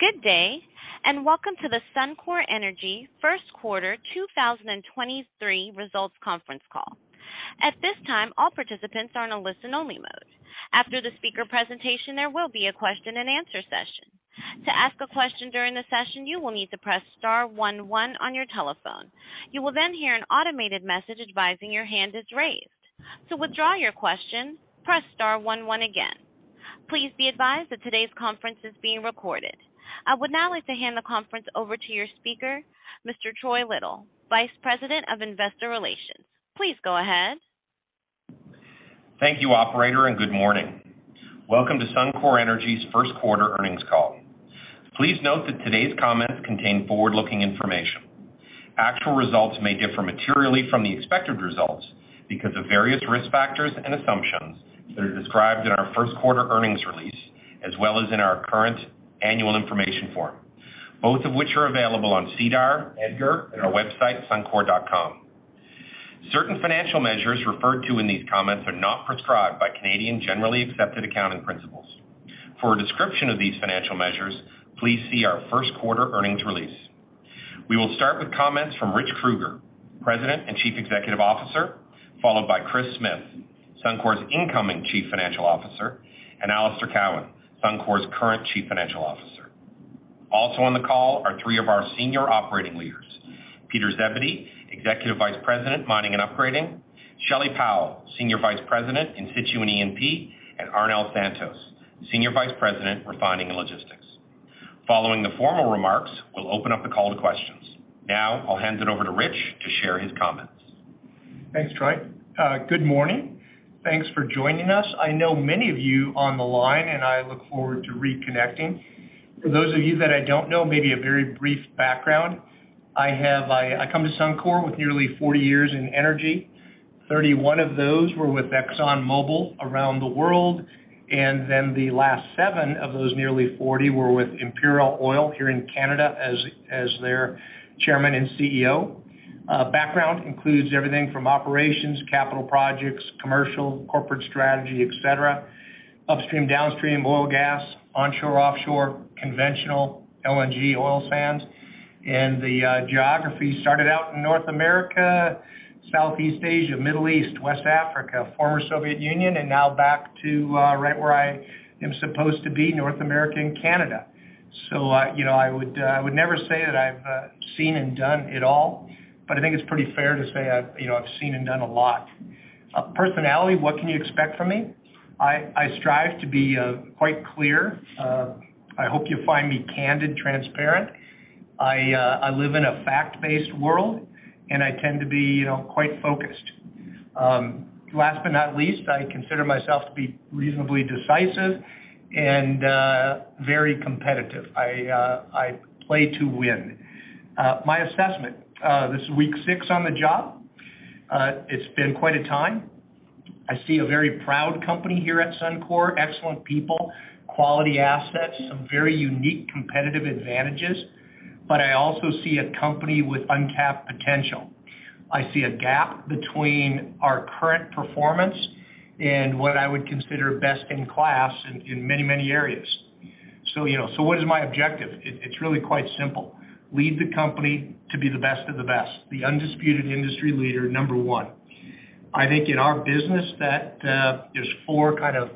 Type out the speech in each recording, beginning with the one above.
Good day, and welcome to the Suncor Energy first quarter 2023 results conference call. At this time, all participants are in a listen-only mode. After the speaker presentation, there will be a question-and-answer session. To ask a question during the session, you will need to press star one one on your telephone. You will then hear an automated message advising your hand is raised. To withdraw your question, press star one one again. Please be advised that today's conference is being recorded. I would now like to hand the conference over to your speaker, Mr. Troy Little, Vice President of Investor Relations. Please go ahead. Thank you, operator. Good morning. Welcome to Suncor Energy's first quarter earnings call. Please note that today's comments contain forward-looking information. Actual results may differ materially from the expected results because of various risk factors and assumptions that are described in our first quarter earnings release, as well as in our current annual information form, both of which are available on SEDAR, EDGAR, and our website, Suncor.com. Certain financial measures referred to in these comments are not prescribed by Canadian generally accepted accounting principles. For a description of these financial measures, please see our first quarter earnings release. We will start with comments from Rich Kruger, President and Chief Executive Officer, followed by Kris Smith, Suncor's incoming Chief Financial Officer, and Alister Cowan, Suncor's current Chief Financial Officer. Also on the call are three of our senior operating leaders, Peter Zebedee, Executive Vice President, Mining and Upgrading; Shelley Powell, Senior Vice President, In Situ and E&P; and Arnel Santos, Senior Vice President, Refining and Logistics. Following the formal remarks, we'll open up the call to questions. Now, I'll hand it over to Rich to share his comments. Thanks, Troy. Good morning. Thanks for joining us. I know many of you on the line, and I look forward to reconnecting. For those of you that I don't know, maybe a very brief background. I come to Suncor with nearly 40 years in energy. 31 of those were with ExxonMobil around the world, and then the last seven of those nearly 40 were with Imperial Oil here in Canada as their chairman and CEO. Background includes everything from operations, capital projects, commercial, corporate strategy, et cetera, upstream, downstream, oil and gas, onshore, offshore, conventional, LNG, oil sands. The geography started out in North America, Southeast Asia, Middle East, West Africa, former Soviet Union, and now back to right where I am supposed to be, North America and Canada. You know, I would, I would never say that I've seen and done it all, but I think it's pretty fair to say I've, you know, I've seen and done a lot. Personality, what can you expect from me? I strive to be quite clear. I hope you find me candid, transparent. I live in a fact-based world, and I tend to be, you know, quite focused. Last but not least, I consider myself to be reasonably decisive and very competitive. I play to win. My assessment, this is week six on the job. It's been quite a time. I see a very proud company here at Suncor, excellent people, quality assets, some very unique competitive advantages, but I also see a company with untapped potential. I see a gap between our current performance and what I would consider best in class in many areas. You know, so what is my objective? It's really quite simple, lead the company to be the best of the best, the undisputed industry leader, number one. I think in our business that there's four kind of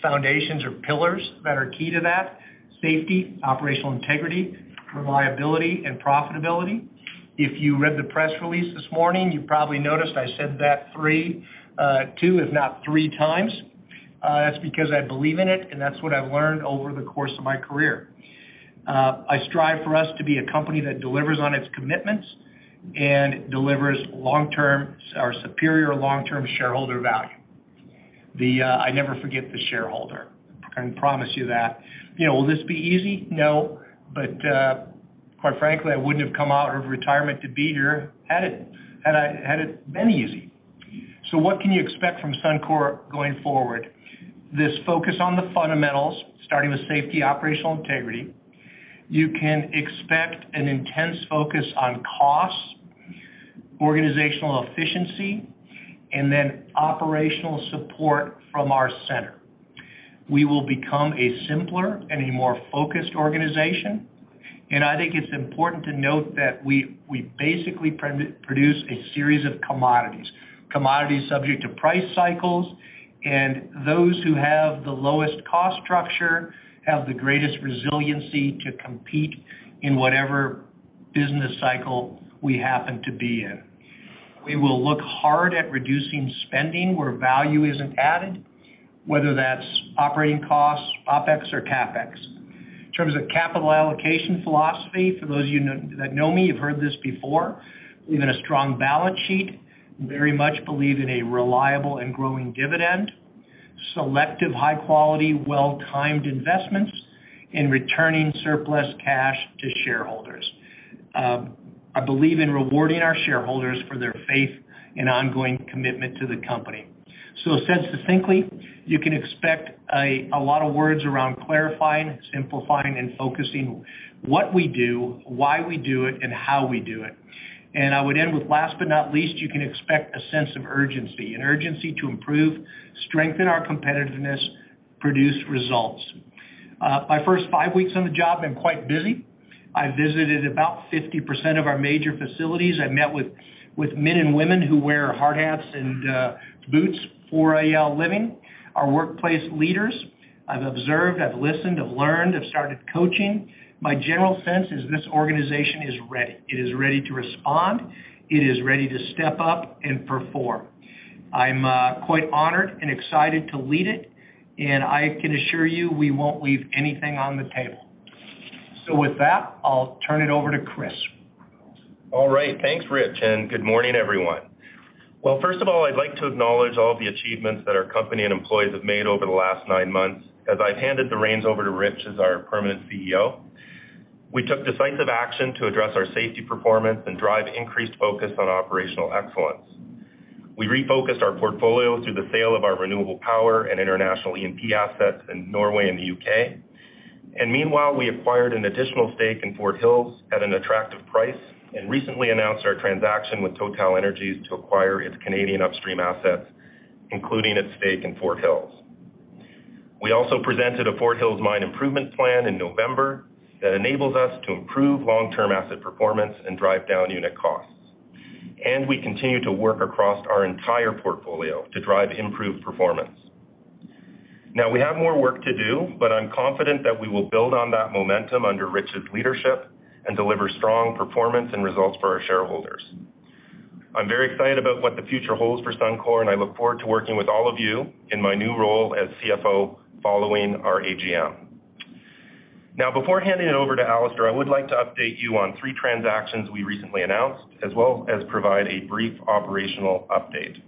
foundations or pillars that are key to that: safety, operational integrity, reliability, and profitability. If you read the press release this morning, you probably noticed I said that three, two if not three times. That's because I believe in it, and that's what I've learned over the course of my career. I strive for us to be a company that delivers on its commitments and delivers long-term or superior long-term shareholder value. The I never forget the shareholder. I can promise you that. You know, will this be easy? No, quite frankly, I wouldn't have come out of retirement to be here, had it been easy. What can you expect from Suncor going forward? This focus on the fundamentals, starting with safety, operational integrity. You can expect an intense focus on costs, organizational efficiency, and then operational support from our center. We will become a simpler and a more focused organization. I think it's important to note that we basically produce a series of commodities subject to price cycles, and those who have the lowest cost structure have the greatest resiliency to compete in whatever business cycle we happen to be in. We will look hard at reducing spending where value isn't added, whether that's operating costs, OpEx or CapEx. In terms of capital allocation philosophy, for those of you that know me, you've heard this before. We have a strong balance sheet, very much believe in a reliable and growing dividend, selective high quality, well-timed investments, and returning surplus cash to shareholders. I believe in rewarding our shareholders for their faith and ongoing commitment to the company. Said succinctly, you can expect a lot of words around clarifying, simplifying, and focusing what we do, why we do it, and how we do it. I would end with last but not least, you can expect a sense of urgency, an urgency to improve, strengthen our competitiveness, produce results. My first five weeks on the job have been quite busy. I visited about 50% of our major facilities. I met with men and women who wear hard hats and boots for All Living, our workplace leaders. I've observed, I've listened, I've learned, I've started coaching. My general sense is this organization is ready. It is ready to respond. It is ready to step up and perform. I'm quite honored and excited to lead it, and I can assure you we won't leave anything on the table. With that, I'll turn it over to Kris. All right. Thanks, Rich. Good morning, everyone. Well, first of all, I'd like to acknowledge all the achievements that our company and employees have made over the last nine months as I've handed the reins over to Rich as our permanent CEO. We took decisive action to address our safety performance and drive increased focus on operational excellence. We refocused our portfolio through the sale of our renewable power and international E&P assets in Norway and the U.K.. Meanwhile, we acquired an additional stake in Fort Hills at an attractive price and recently announced our transaction with TotalEnergies to acquire its Canadian upstream assets, including its stake in Fort Hills. We also presented a Fort Hills mine improvement plan in November that enables us to improve long-term asset performance and drive down unit costs. We continue to work across our entire portfolio to drive improved performance. We have more work to do, but I'm confident that we will build on that momentum under Rich's leadership and deliver strong performance and results for our shareholders. I'm very excited about what the future holds for Suncor, and I look forward to working with all of you in my new role as CFO following our AGM. Before handing it over to Alister, I would like to update you on three transactions we recently announced, as well as provide a brief operational update.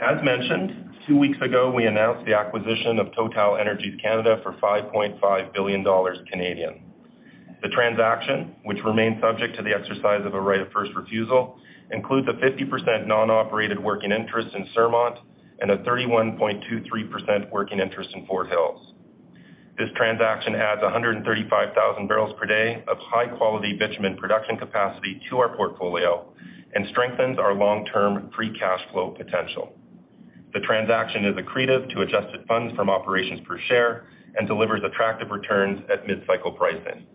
As mentioned, two weeks ago, we announced the acquisition of TotalEnergies Canada for 5.5 billion Canadian dollars. The transaction, which remains subject to the exercise of a right of first refusal, includes a 50% non-operated working interest in Surmont and a 31.23% working interest in Fort Hills. This transaction adds 135,000 barrels per day of high-quality bitumen production capacity to our portfolio and strengthens our long-term free cash flow potential. The transaction is accretive to adjusted funds from operations per share and delivers attractive returns at mid-cycle pricing.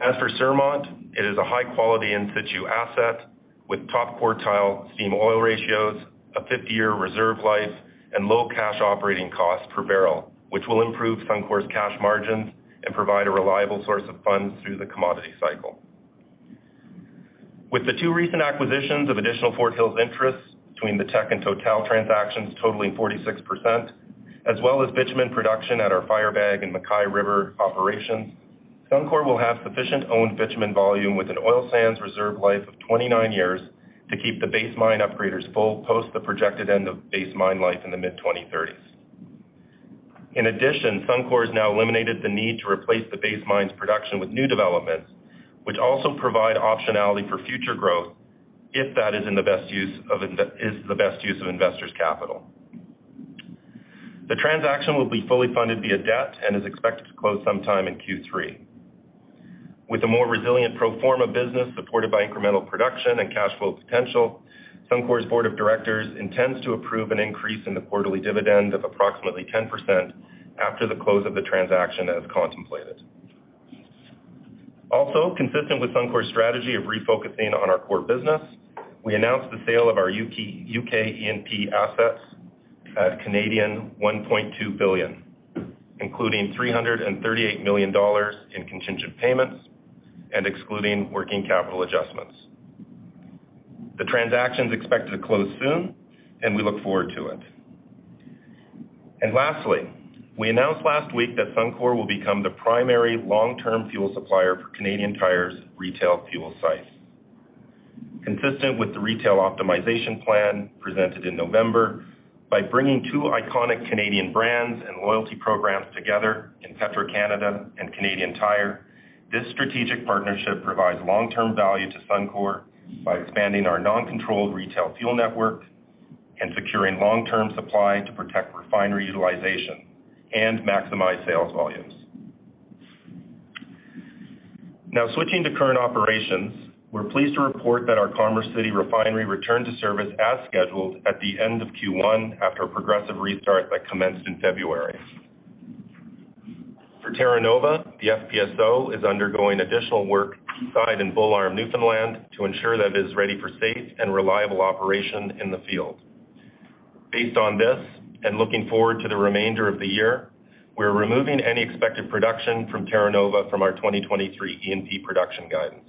As for Surmont, it is a high-quality in situ asset with top-quartile steam-to-oil ratios, a 50-year reserve life, and low cash operating costs per barrel, which will improve Suncor's cash margins and provide a reliable source of funds through the commodity cycle. With the two recent acquisitions of additional Fort Hills interests between the Teck and TotalEnergies transactions totaling 46%, as well as bitumen production at our Firebag and Mackay River operations, Suncor will have sufficient owned bitumen volume with an oil sands reserve life of 29 years to keep the base mine upgraders full post the projected end of base mine life in the mid-2030s. In addition, Suncor has now eliminated the need to replace the base mine's production with new developments, which also provide optionality for future growth if that is the best use of investors' capital. The transaction will be fully funded via debt and is expected to close sometime in Q3. With a more resilient pro forma business supported by incremental production and cash flow potential, Suncor's board of directors intends to approve an increase in the quarterly dividend of approximately 10% after the close of the transaction as contemplated. Consistent with Suncor's strategy of refocusing on our core business, we announced the sale of our U.K. E&P assets at 1.2 billion Canadian dollars, including 338 million dollars in contingent payments and excluding working capital adjustments. The transaction is expected to close soon, and we look forward to it. Lastly, we announced last week that Suncor will become the primary long-term fuel supplier for Canadian Tire's retail fuel sites. Consistent with the retail optimization plan presented in November, by bringing two iconic Canadian brands and loyalty programs together in Petro-Canada and Canadian Tire, this strategic partnership provides long-term value to Suncor by expanding our non-controlled retail fuel network and securing long-term supply to protect refinery utilization and maximize sales volumes. Now, switching to current operations, we're pleased to report that our Commerce City Refinery returned to service as scheduled at the end of Q1 after a progressive restart that commenced in February. For Terra Nova, the FPSO is undergoing additional work inside in Bull Arm, Newfoundland, to ensure that it is ready for safe and reliable operation in the field. Based on this, and looking forward to the remainder of the year, we're removing any expected production from Terra Nova from our 2023 E&P production guidance.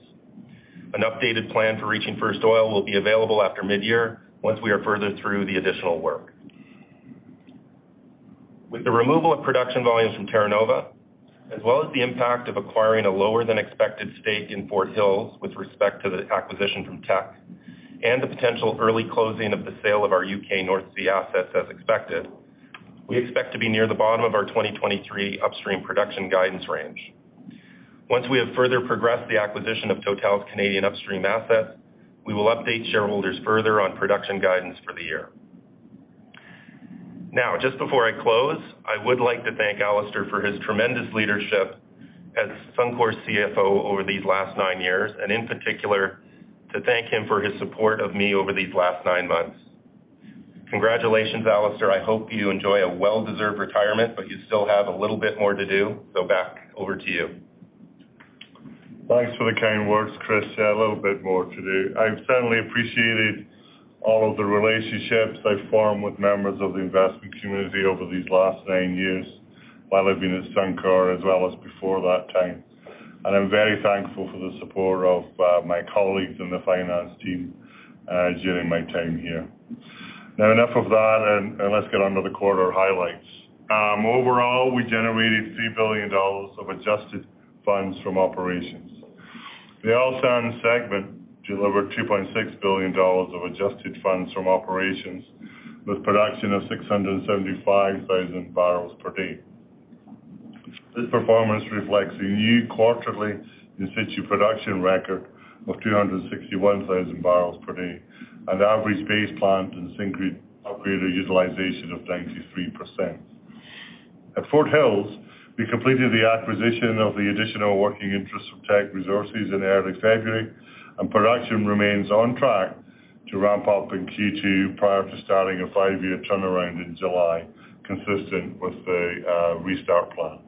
An updated plan for reaching first oil will be available after mid-year once we are further through the additional work. With the removal of production volumes from Terra Nova, as well as the impact of acquiring a lower-than-expected stake in Fort Hills with respect to the acquisition from Teck, and the potential early closing of the sale of our U.K. North Sea assets as expected, we expect to be near the bottom of our 2023 upstream production guidance range. Once we have further progressed the acquisition of TotalEnergies' Canadian upstream assets, we will update shareholders further on production guidance for the year. Just before I close, I would like to thank Alister for his tremendous leadership. As Suncor's CFO over these last nine years, and in particular, to thank him for his support of me over these last nine months. Congratulations, Alister. I hope you enjoy a well-deserved retirement, but you still have a little bit more to do. back over to you. Thanks for the kind words, Kris. Yeah, a little bit more to do. I've certainly appreciated all of the relationships I've formed with members of the investment community over these last nine years while I've been at Suncor, as well as before that time. I'm very thankful for the support of my colleagues and the finance team during my time here. Enough of that and let's get on to the quarter highlights. Overall, we generated 3 billion dollars of adjusted funds from operations. The Oil Sands segment delivered CAD 2.6 billion of adjusted funds from operations, with production of 675,000 barrels per day. This performance reflects a new quarterly in-situ production record of 261,000 barrels per day and average base plant and Syncrude upgraded utilization of 93%. At Fort Hills, we completed the acquisition of the additional working interest of Teck Resources in early February, and production remains on track to ramp up in Q2 prior to starting a five-year turnaround in July, consistent with the restart plan.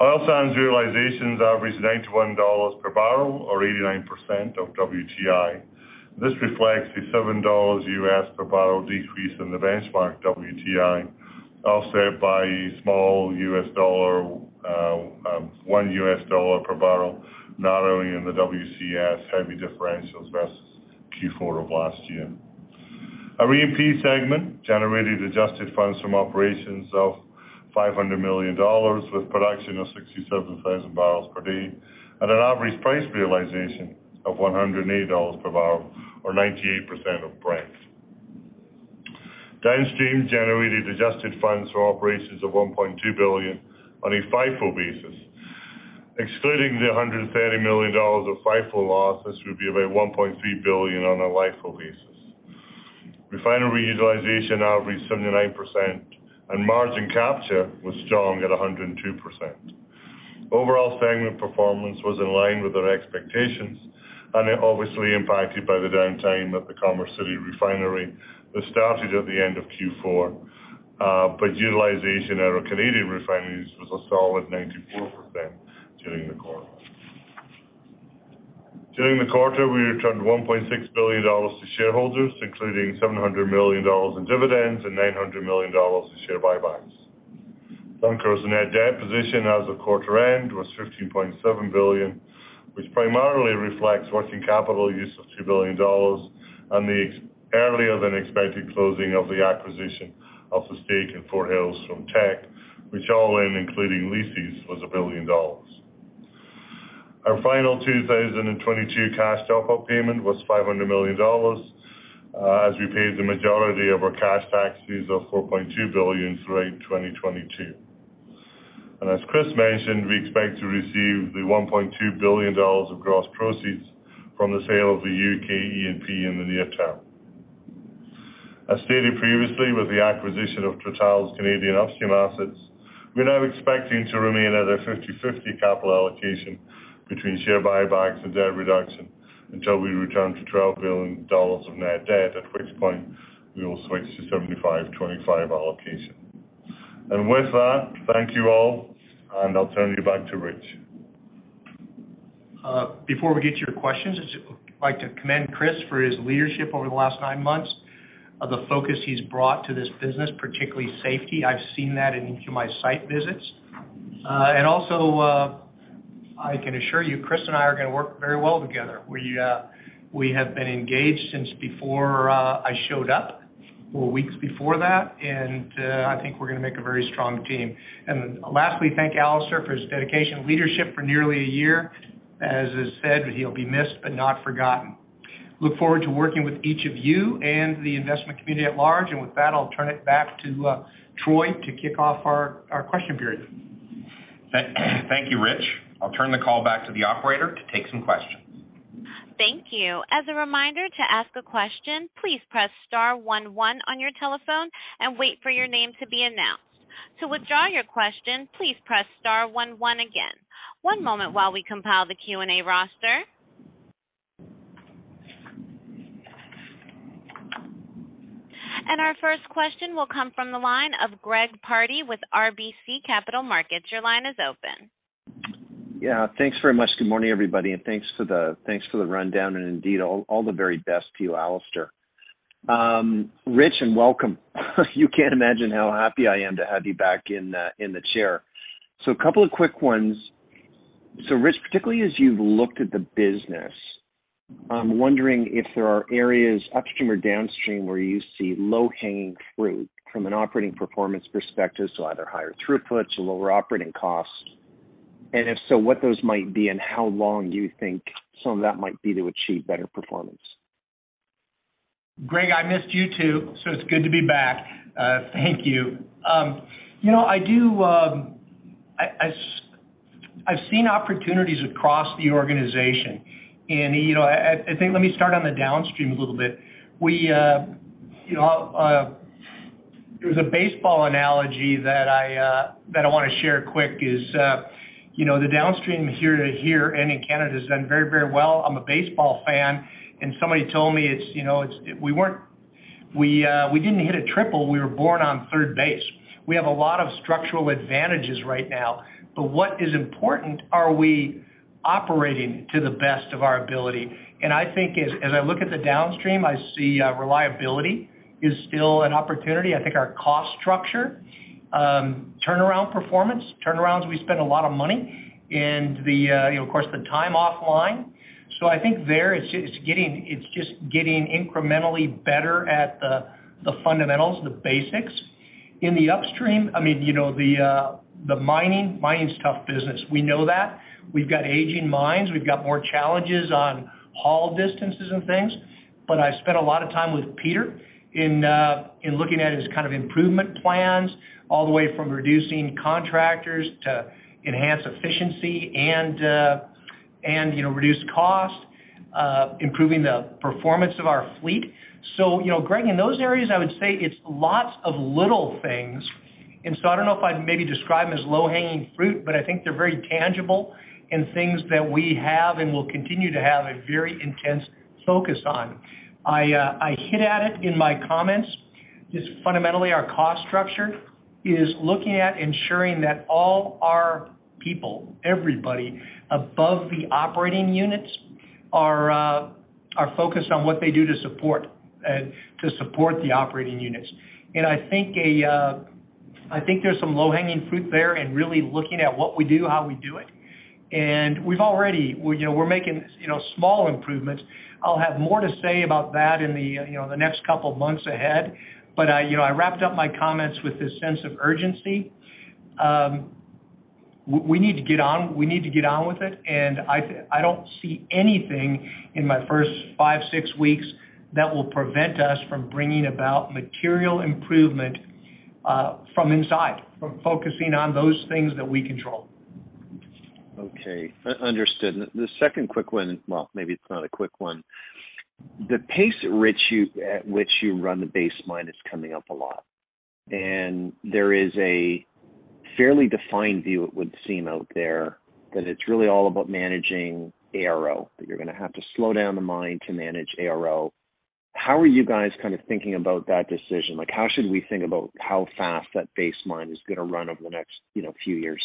Oil sands realization averaged 91 dollars per barrel, or 89% of WTI. This reflects the $7 per barrel decrease in the benchmark WTI, offset by $1 per barrel, narrowly in the WCS heavy differential versus Q4 of last year. Our E&P segment generated adjusted funds from operations of 500 million dollars with production of 67,000 barrels per day at an average price realization of 108 dollars per barrel, or 98% of Brent. Downstream generated adjusted funds from operations of 1.2 billion on a FIFO basis. Excluding the 130 million dollars of FIFO loss, this would be about 1.3 billion on a LIFO basis. Refinery utilization averaged 79%, margin capture was strong at 102%. Overall segment performance was in line with our expectations and obviously impacted by the downtime at the Commerce City Refinery that started at the end of Q4. Utilization at our Canadian refineries was a solid 94% during the quarter. During the quarter, we returned 1.6 billion dollars to shareholders, including 700 million dollars in dividends and 900 million dollars in share buybacks. Suncor's net debt position as of quarter end was 15.7 billion, which primarily reflects working capital use of 2 billion dollars and the earlier than expected closing of the acquisition of the stake in Fort Hills from Teck, which all in, including leases, was 1 billion dollars. Our final 2022 cash top-up payment was 500 million dollars, as we paid the majority of our cash taxes of 4.2 billion throughout 2022. As Kris mentioned, we expect to receive the 1.2 billion dollars of gross proceeds from the sale of the UK E&P in the near term. As stated previously, with the acquisition of Total's Canadian upstream assets, we're now expecting to remain at a 50/50 capital allocation between share buybacks and debt reduction until we return to 12 billion dollars of net debt, at which point we will switch to 75/25 allocation. With that, thank you all, and I'll turn you back to Rich. Before we get to your questions, I'd just like to commend Kris for his leadership over the last nine months, of the focus he's brought to this business, particularly safety. I've seen that in each of my site visits. And also, I can assure you, Kris and I are gonna work very well together. We have been engaged since before I showed up, or weeks before that, and I think we're gonna make a very strong team. Lastly, thank Alister for his dedication and leadership for nearly a year. As is said, he'll be missed but not forgotten. Look forward to working with each of you and the investment community at large. With that, I'll turn it back to Troy to kick off our question period. Thank you, Rich. I'll turn the call back to the operator to take some questions. Thank you. As a reminder, to ask a question, please press star one one on your telephone and wait for your name to be announced. To withdraw your question, please press star one one again. One moment while we compile the Q&A roster. Our first question will come from the line of Greg Pardy with RBC Capital Markets. Your line is open. Yeah. Thanks very much. Good morning, everybody, and thanks for the rundown, and indeed, all the very best to you, Alister. Rich, and welcome. You can't imagine how happy I am to have you back in the chair. A couple of quick ones. Rich, particularly as you've looked at the business, I'm wondering if there are areas upstream or downstream where you see low-hanging fruit from an operating performance perspective, so either higher throughputs or lower operating costs. If so, what those might be and how long you think some of that might be to achieve better performance. Greg, I missed you, too, so it's good to be back. Thank you. You know, I do, I've seen opportunities across the organization. You know, I think let me start on the downstream a little bit. We, you know, there's a baseball analogy that I, that I wanna share quick is, you know, the downstream here to here and in Canada has done very, very well. I'm a baseball fan, and somebody told me it's, you know, we didn't hit a triple. We were born on third base. We have a lot of structural advantages right now. What is important, are we operating to the best of our ability? I think as I look at the downstream, I see, reliability is still an opportunity. I think our cost structure, turnaround performance. Turnarounds, we spend a lot of money. The, you know, of course, the time offline. I think there it's just getting incrementally better at the fundamentals, the basics. In the upstream, I mean, you know, the mining's tough business. We know that. We've got aging mines. We've got more challenges on haul distances and things. I spent a lot of time with Peter in looking at his kind of improvement plans, all the way from reducing contractors to enhance efficiency and, you know, reduce cost, improving the performance of our fleet. You know, Greg, in those areas, I would say it's lots of little things. I don't know if I'd maybe describe them as low-hanging fruit, but I think they're very tangible and things that we have and will continue to have a very intense focus on. I hit at it in my comments, is fundamentally our cost structure, is looking at ensuring that all our people, everybody above the operating units are focused on what they do to support the operating units. I think there's some low-hanging fruit there and really looking at what we do, how we do it. We, you know, we're making you know, small improvements. I'll have more to say about that in the, you know, the next couple of months ahead. I, you know, I wrapped up my comments with this sense of urgency. We need to get on with it, and I don't see anything in my first five, six weeks that will prevent us from bringing about material improvement, from inside, from focusing on those things that we control. Okay. Understood. The second quick one. Well, maybe it's not a quick one. The pace at which you run the base mine is coming up a lot. There is a fairly defined view, it would seem, out there that it's really all about managing ARO, that you're gonna have to slow down the mine to manage ARO. How are you guys kind of thinking about that decision? Like, how should we think about how fast that base mine is gonna run over the next, you know, few years?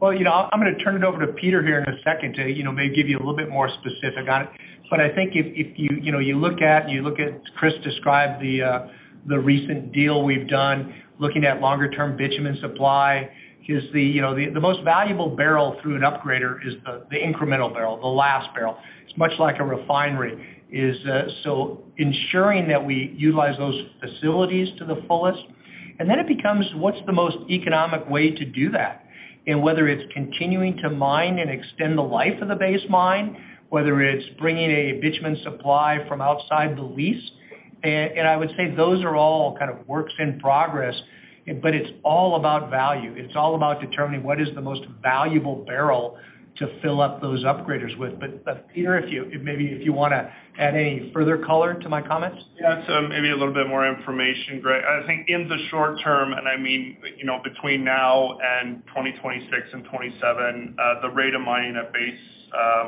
Well, you know, I'm gonna turn it over to Peter here in a second to, you know, maybe give you a little bit more specific on it. I think if you know, you look at Kris described the recent deal we've done looking at longer term bitumen supply, 'cause, you know, the most valuable barrel through an upgrader is the incremental barrel, the last barrel. It's much like a refinery. Ensuring that we utilize those facilities to the fullest. It becomes what's the most economic way to do that? Whether it's continuing to mine and extend the life of the base mine, whether it's bringing a bitumen supply from outside the lease. I would say those are all kind of works in progress, but it's all about value. It's all about determining what is the most valuable barrel to fill up those upgraders with. Peter, maybe if you wanna add any further color to my comments. Maybe a little bit more information, Greg. I think in the short term, I mean, you know, between now and 2026 and 2027, the rate of mining at base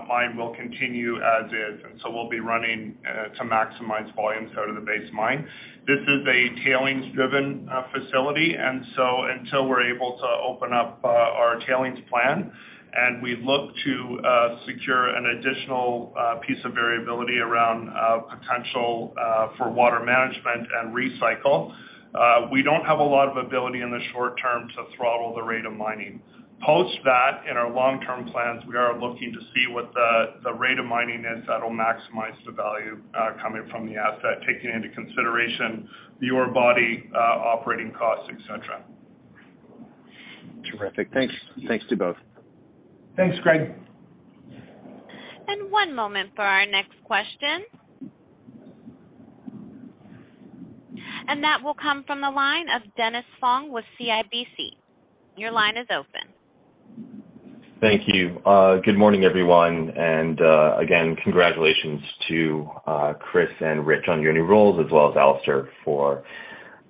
mine will continue as is. We'll be running to maximize volumes out of the base mine. This is a tailings driven facility, until we're able to open up our tailings plan, and we look to secure an additional piece of variability around potential for water management and recycle, we don't have a lot of ability in the short term to throttle the rate of mining. Post that, in our long-term plans, we are looking to see what the rate of mining is that'll maximize the value coming from the asset, taking into consideration your body, operating costs, et cetera. Terrific. Thanks. Thanks to both. Thanks, Greg. One moment for our next question. That will come from the line of Dennis Fong with CIBC. Your line is open. Thank you. Good morning, everyone. Again, congratulations to Kris and Rich on your new roles, as well as Alister for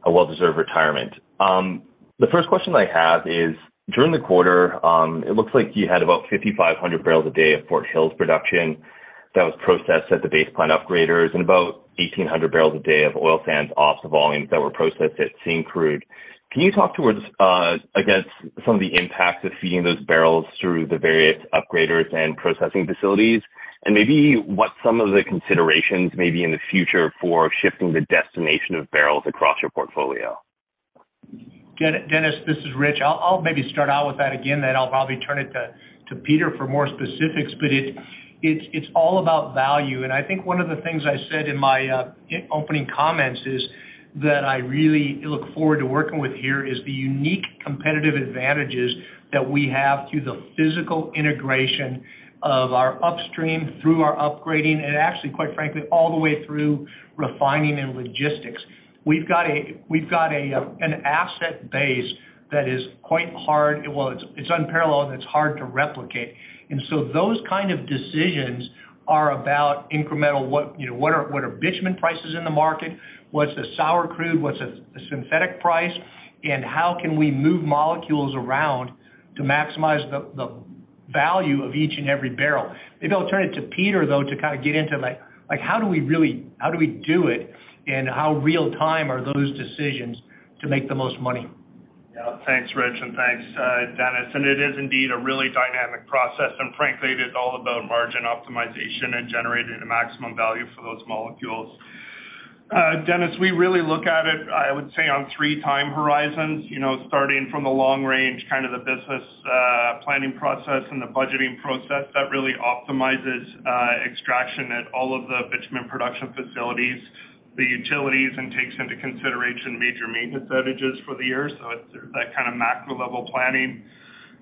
a well-deserved retirement. The first question I have is, during the quarter, it looks like you had about 5,500 barrels a day of Fort Hills production that was processed at the base plant upgraders and about 1,800 barrels a day of oil sands off the volumes that were processed at Syncrude. Can you talk towards against some of the impacts of feeding those barrels through the various upgraders and processing facilities, and maybe what some of the considerations may be in the future for shifting the destination of barrels across your portfolio? Dennis, this is Rich. I'll maybe start out with that again, then I'll probably turn it to Peter for more specifics. It's all about value. I think one of the things I said in my opening comments is that I really look forward to working with here is the unique competitive advantages that we have through the physical integration of our upstream through our upgrading, and actually, quite frankly, all the way through refining and logistics. We've got a an asset base that is quite hard. Well, it's unparalleled, and it's hard to replicate. Those kind of decisions are about incremental what, you know, what are bitumen prices in the market? What's the sour crude? What's the synthetic price? How can we move molecules around to maximize the value of each and every barrel. Maybe I'll turn it to Peter, though, to kind of get into, like, how do we really how do we do it, and how real time are those decisions to make the most money? Yeah. Thanks, Rich, and thanks, Dennis. It is indeed a really dynamic process, and frankly, it is all about margin optimization and generating the maximum value for those molecules. Dennis, we really look at it, I would say, on three time horizons, you know, starting from the long range, kind of the business planning process and the budgeting process that really optimizes extraction at all of the bitumen production facilities, the utilities, and takes into consideration major maintenance outages for the year. It's that kind of macro level planning.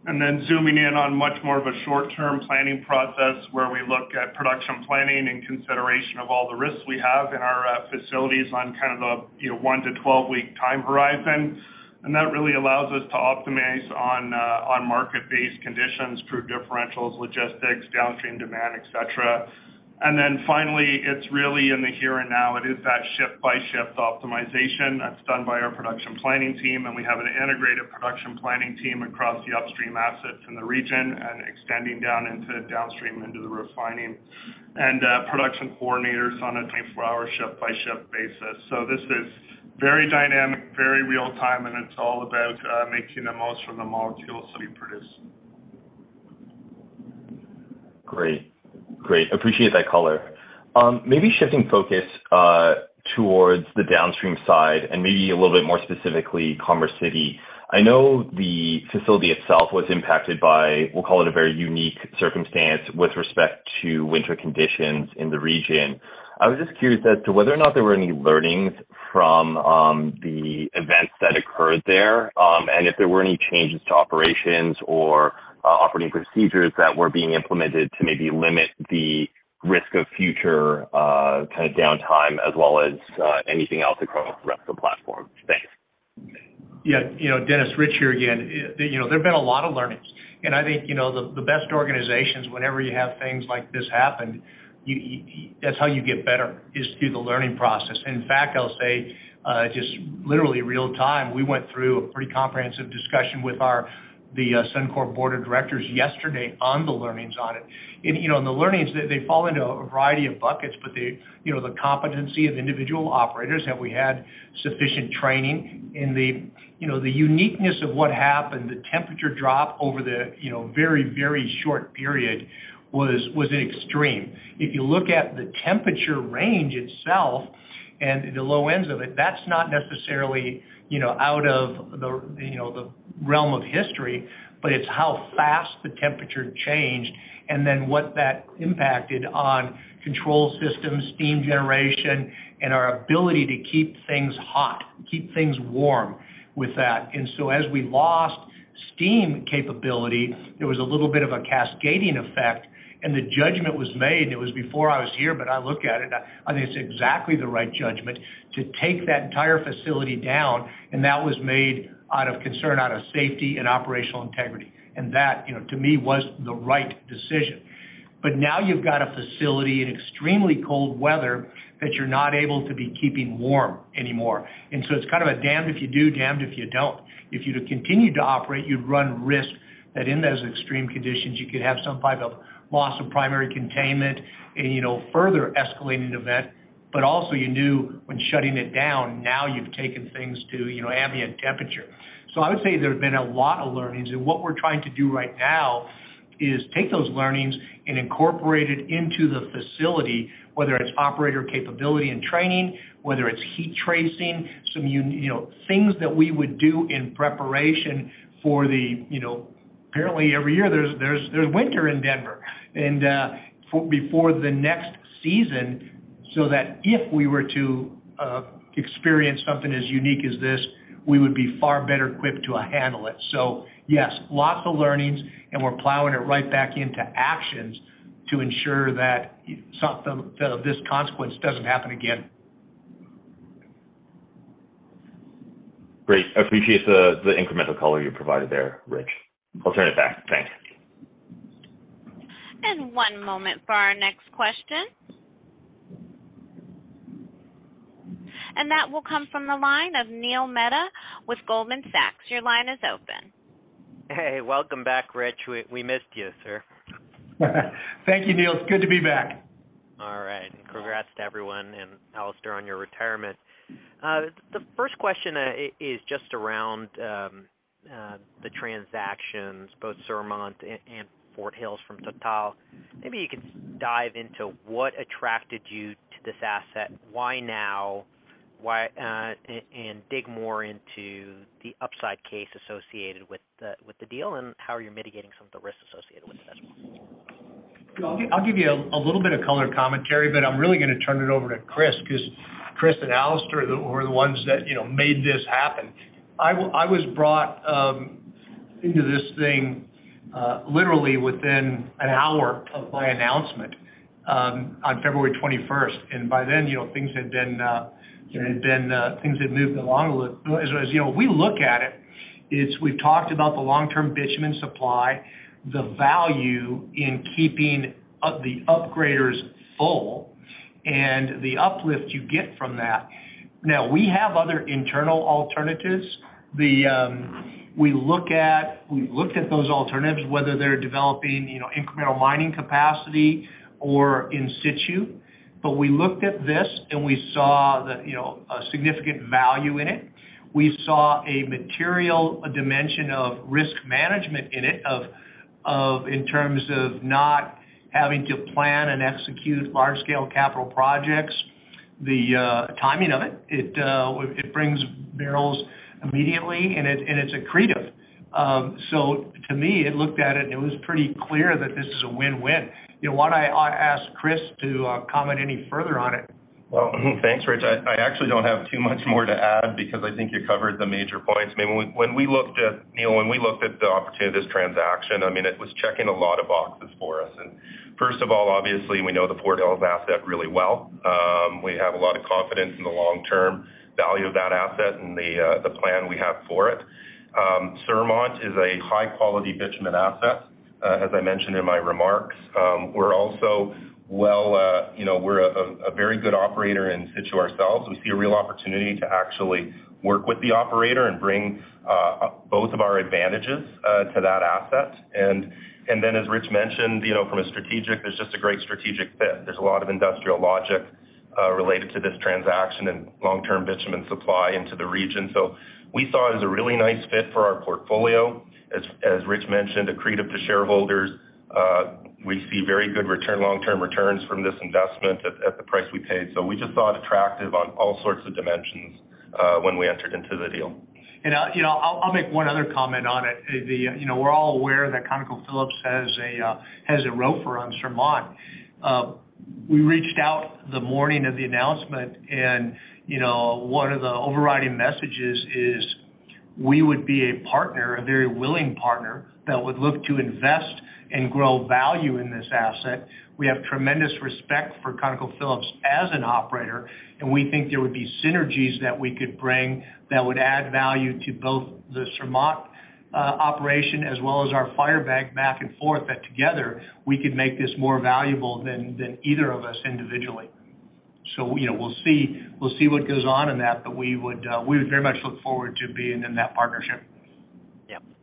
Then zooming in on much more of a short-term planning process where we look at production planning and consideration of all the risks we have in our facilities on kind of a, you know, one to 12-week time horizon. That really allows us to optimize on market-based conditions through differentials, logistics, downstream demand, et cetera. Finally, it's really in the here and now it is that shift by shift optimization that's done by our production planning team, and we have an integrated production planning team across the upstream assets in the region and extending down into downstream into the refining. Production coordinators on a 24-hour shift by shift basis. This is very dynamic, very real time, and it's all about making the most from the molecules that we produce. Great. Great. Appreciate that color. Maybe shifting focus towards the downstream side and maybe a little bit more specifically Commerce City. I know the facility itself was impacted by, we'll call it a very unique circumstance with respect to winter conditions in the region. I was just curious as to whether or not there were any learnings from the events that occurred there, and if there were any changes to operations or operating procedures that were being implemented to maybe limit the risk of future kind of downtime as well as anything else across the rest of the platform? Thanks. Yeah. You know, Dennis, Rich here again. You know, there have been a lot of learnings. I think, you know, the best organizations, whenever you have things like this happen, that's how you get better, is through the learning process. In fact, I'll say, just literally real time, we went through a pretty comprehensive discussion with the Suncor board of directors yesterday on the learnings on it. You know, and the learnings, they fall into a variety of buckets, but they, you know, the competency of individual operators. Have we had sufficient training? The, you know, the uniqueness of what happened, the temperature drop over the, you know, very, very short period was extreme. If you look at the temperature range itself and the low ends of it, that's not necessarily, you know, out of the, you know, the realm of history, but it's how fast the temperature changed and then what that impacted on control systems, steam generation, and our ability to keep things hot, keep things warm with that. As we lost steam capability, there was a little bit of a cascading effect, and the judgment was made. It was before I was here, but I look at it, I think it's exactly the right judgment to take that entire facility down, and that was made out of concern, out of safety and operational integrity. That, you know, to me, was the right decision. Now you've got a facility in extremely cold weather that you're not able to be keeping warm anymore. It's kind of a damned if you do, damned if you don't. If you'd continued to operate, you'd run risk that in those extreme conditions, you could have some type of loss of primary containment and, you know, further escalating event. Also you knew when shutting it down, now you've taken things to, you know, ambient temperature. I would say there have been a lot of learnings. What we're trying to do right now is take those learnings and incorporate it into the facility, whether it's operator capability and training, whether it's heat tracing, some, you know, things that we would do in preparation for the, you know, apparently every year there's winter in Denver. For before the next season, so that if we were to experience something as unique as this, we would be far better equipped to handle it. Yes, lots of learnings, and we're plowing it right back into actions to ensure that this consequence doesn't happen again. Great. I appreciate the incremental color you provided there, Rich. I'll turn it back. Thanks. One moment for our next question. That will come from the line of Neil Mehta with Goldman Sachs. Your line is open. Hey. Welcome back, Rich. We missed you, sir. Thank you, Neil. It's good to be back. All right. Congrats to everyone and Alister on your retirement. The first question is just around the transactions, both Surmont and Fort Hills from Total. Maybe you could dive into what attracted you to this asset, why now, and dig more into the upside case associated with the deal and how are you mitigating some of the risks associated with it as well. I'll give you a little bit of color commentary, but I'm really gonna turn it over to Kris 'cause Kris and Alister were the ones that, you know, made this happen. I was brought into this thing literally within an hour of my announcement on February 21st. By then, you know, things had been, you know, things had moved along a little. As you know, we look at it's we've talked about the long-term bitumen supply, the value in keeping up the upgraders full and the uplift you get from that. Now we have other internal alternatives. We've looked at those alternatives, whether they're developing, you know, incremental mining capacity or in situ. We looked at this, and we saw that, you know, a significant value in it. We saw a material dimension of risk management in it in terms of not having to plan and execute large-scale capital projects. The timing of it brings barrels immediately, and it's accretive. To me, it looked at it, and it was pretty clear that this is a win-win. You know, why don't I ask Chris to comment any further on it? Well, thanks, Rich. I actually don't have too much more to add because I think you covered the major points. I mean, when we looked at, you know, when we looked at the opportunity of this transaction, I mean, it was checking a lot of boxes for us. First of all, obviously, we know the Fort Hills asset really well. We have a lot of confidence in the long-term value of that asset and the plan we have for it. Surmont is a high-quality bitumen asset, as I mentioned in my remarks. We're also well, you know, we're a very good operator in situ ourselves. We see a real opportunity to actually work with the operator and bring both of our advantages to that asset. Then, as Rich mentioned, you know, from a strategic, there's just a great strategic fit. There's a lot of industrial logic related to this transaction and long-term bitumen supply into the region. We saw it as a really nice fit for our portfolio. As Rich mentioned, accretive to shareholders. We see very good return, long-term returns from this investment at the price we paid. We just saw it attractive on all sorts of dimensions, when we entered into the deal. I, you know, I'll make one other comment on it. You know, we're all aware that ConocoPhillips has a ROFR on Surmont. We reached out the morning of the announcement and, you know, one of the overriding messages is we would be a partner, a very willing partner, that would look to invest and grow value in this asset. We have tremendous respect for ConocoPhillips as an operator, and we think there would be synergies that we could bring that would add value to both the Surmont operation as well as our Firebag back and forth, that together we could make this more valuable than either of us individually. You know, we'll see, we'll see what goes on in that, but we would very much look forward to being in that partnership.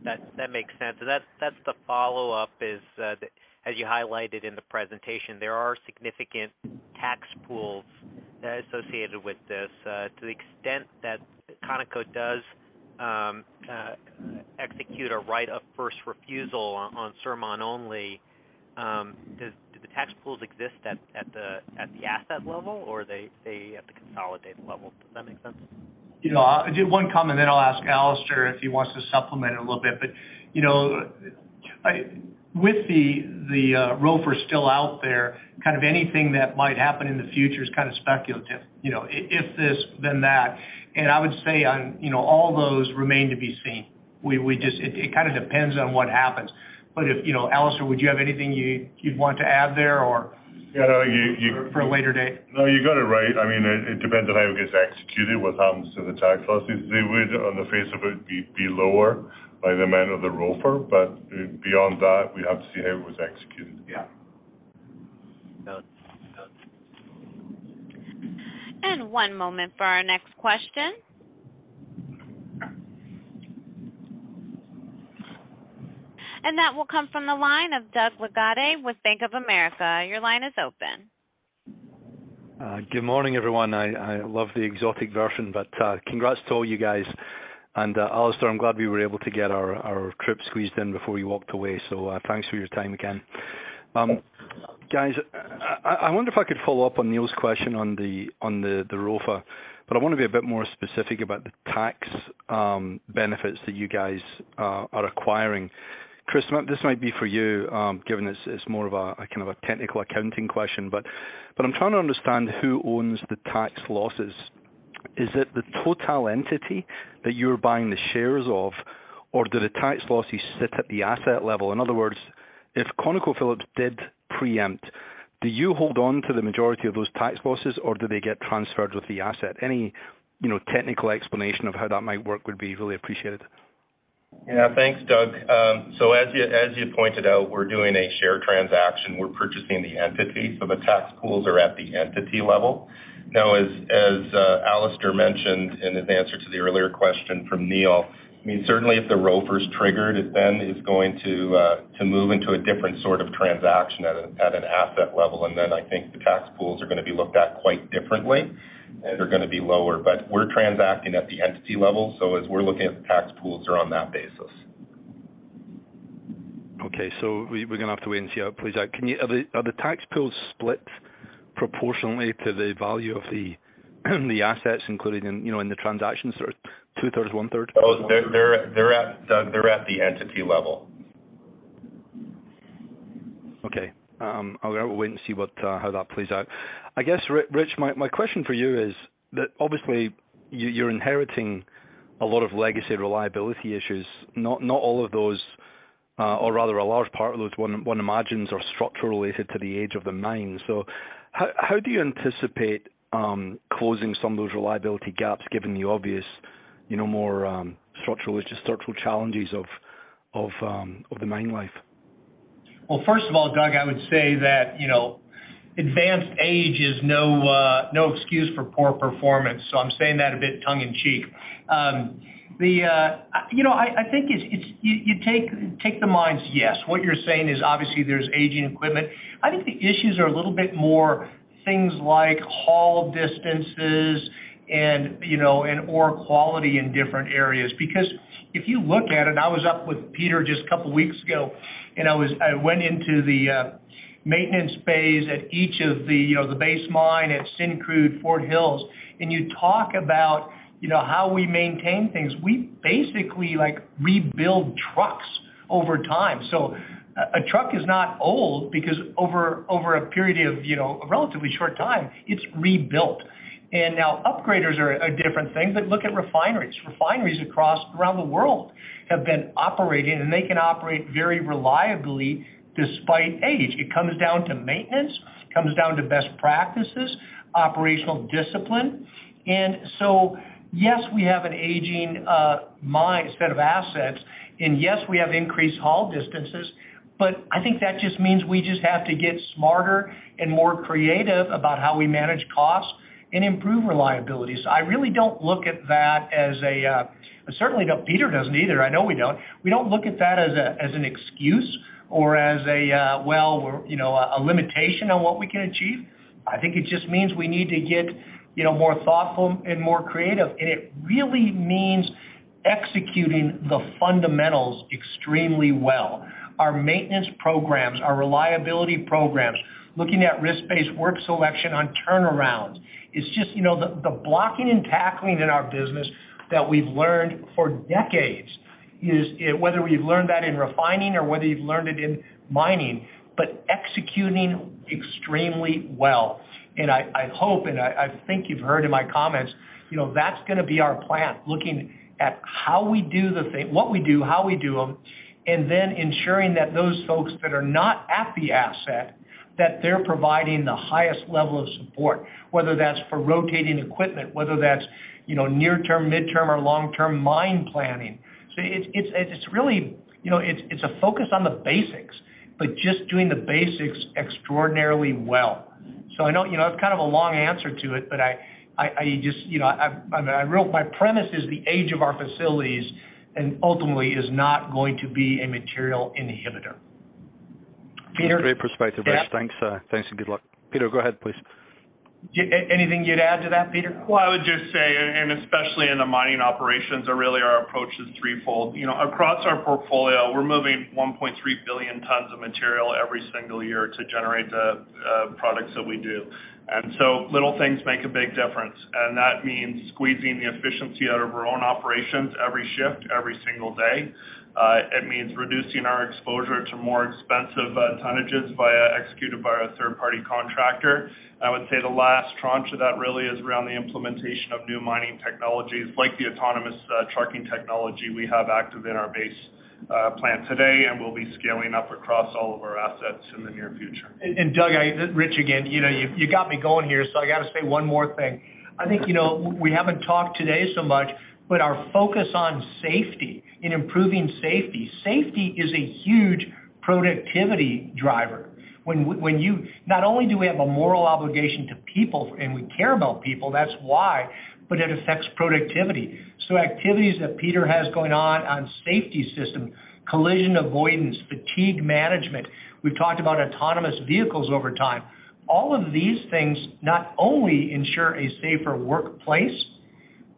That makes sense. That's the follow-up is, as you highlighted in the presentation, there are significant tax pools associated with this. To the extent that Conoco does execute a right of first refusal on Surmont only, do the tax pools exist at the asset level, or they stay at the consolidated level? Does that make sense? You know, I'll do one comment, then I'll ask Alister if he wants to supplement it a little bit. You know, with the ROFR still out there, kind of anything that might happen in the future is kind of speculative. You know, if this, then that. I would say on, you know, all those remain to be seen. It kind of depends on what happens. If, you know, Alister, would you have anything you'd want to add there or. Yeah. No, you. For a later date. You got it right. I mean, it depends on how it gets executed, what happens to the tax losses. They would, on the face of it, be lower by the amount of the ROFR. Beyond that, we have to see how it was executed. Yeah. Note. Note. One moment for our next question. That will come from the line of Doug Leggate with Bank of America. Your line is open. Good morning, everyone. I love the exotic version, but congrats to all you guys. Alister, I'm glad we were able to get our trip squeezed in before you walked away. Thanks for your time again. Guys, I wonder if I could follow up on Neil's question on the ROFR. I wanna be a bit more specific about the tax benefits that you guys are acquiring. Kris, this might be for you, given it's more of a kind of a technical accounting question. I'm trying to understand who owns the tax losses. Is it the TotalEnergies entity that you're buying the shares of, or do the tax losses sit at the asset level? In other words, if ConocoPhillips did preempt, do you hold on to the majority of those tax losses, or do they get transferred with the asset? Any, you know, technical explanation of how that might work would be really appreciated. Yeah. Thanks, Doug. As you pointed out, we're doing a share transaction. We're purchasing the entity, so the tax pools are at the entity level. As Alister mentioned in his answer to the earlier question from Neil, I mean, certainly if the ROFR is triggered, it then is going to move into a different sort of transaction at an asset level. I think the tax pools are gonna be looked at quite differently, and they're gonna be lower. We're transacting at the entity level, as we're looking at the tax pools, they're on that basis. Okay. we're gonna have to wait and see how it plays out. Are the tax pools split proportionally to the value of the assets included in, you know, in the transaction, sort of two-thirds, one-third? Oh, they're at, Doug, they're at the entity level. We'll have to wait and see what, how that plays out. I guess, Rich, my question for you is that obviously, you're inheriting a lot of legacy reliability issues. Not all of those, or rather a large part of those one imagines are structurally related to the age of the mine. How do you anticipate closing some of those reliability gaps given the obvious, you know, more, structural, just structural challenges of the mine life? First of all, Doug, I would say that, you know, advanced age is no excuse for poor performance, I'm saying that a bit tongue in cheek. You know, I think it's you take the mines, yes. What you're saying is obviously there's aging equipment. I think the issues are a little bit more things like haul distances and, you know, and ore quality in different areas. If you look at it, I was up with Peter just a couple weeks ago, and I went into the maintenance phase at each of the, you know, the base mine at Syncrude, Fort Hills. You talk about, you know, how we maintain things. We basically, like, rebuild trucks over time. A truck is not old because over a period of, you know, a relatively short time, it's rebuilt. Now upgraders are different things, but look at refineries. Refineries across around the world have been operating, and they can operate very reliably despite age. It comes down to maintenance. It comes down to best practices, operational discipline. Yes, we have an aging mine set of assets. Yes, we have increased haul distances. I think that just means we just have to get smarter and more creative about how we manage costs and improve reliability. I really don't look at that as a. Certainly, no, Peter doesn't either. I know we don't. We don't look at that as an excuse or as a, well, you know, a limitation on what we can achieve. I think it just means we need to get, you know, more thoughtful and more creative, and it really means executing the fundamentals extremely well. Our maintenance programs, our reliability programs, looking at risk-based work selection on turnarounds. It's just, you know, the blocking and tackling in our business that we've learned for decades, whether we've learned that in refining or whether you've learned it in mining, but executing extremely well. I hope, and I think you've heard in my comments, you know, that's gonna be our plan, looking at how we do what we do, how we do them, and then ensuring that those folks that are not at the asset, that they're providing the highest level of support, whether that's for rotating equipment, whether that's, you know, near-term, mid-term, or long-term mine planning. It's really... You know, it's a focus on the basics, but just doing the basics extraordinarily well. I know, you know, it's kind of a long answer to it, but I just... You know, I mean, My premise is the age of our facilities and ultimately is not going to be a material inhibitor. Peter- Great perspective, Rich. Yeah? Thanks and good luck. Peter, go ahead, please. Anything you'd add to that, Peter? Well, I would just say, especially in the mining operations, really our approach is threefold. You know, across our portfolio, we're moving 1.3 billion tons of material every single year to generate the products that we do. Little things make a big difference, and that means squeezing the efficiency out of our own operations every shift, every single day. It means reducing our exposure to more expensive tonnages executed by a third-party contractor. I would say the last tranche of that really is around the implementation of new mining technologies, like the autonomous trucking technology we have active in our base plant today and will be scaling up across all of our assets in the near future. Doug, I-- Rich again. You know, you got me going here, so I got to say one more thing. I think, you know, we haven't talked today so much, but our focus on safety and improving safety. Safety is a huge productivity driver. When you-- Not only do we have a moral obligation to people, and we care about people, that's why, but it affects productivity. Activities that Peter has going on safety system, collision avoidance, fatigue management. We've talked about autonomous vehicles over time. All of these things not only ensure a safer workplace,